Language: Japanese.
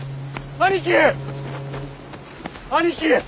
兄貴！